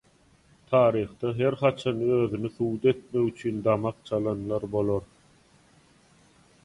Taryhda her haçan özüni subut etmek üçin damak çalanlar bolar.